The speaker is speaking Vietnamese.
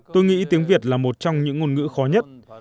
tôi nghĩ tiếng việt là một trong những ngôn ngữ khó nhất